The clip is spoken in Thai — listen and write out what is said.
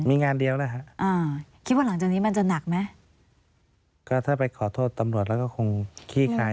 มีงานเดียวนะฮะอ่าคิดว่าหลังจากนี้มันจะหนักไหมก็ถ้าไปขอโทษตำรวจแล้วก็คงขี้คาย